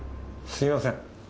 すみません。